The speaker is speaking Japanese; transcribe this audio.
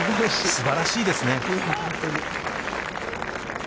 すばらしいですね。